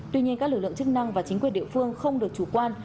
tuy nhiên các lực lượng chức năng và chính quyền địa phương không được chủ quan